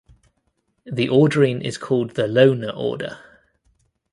The ordering is called the Loewner order.